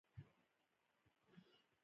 د ملي ارزښتونو د ساتنې لارې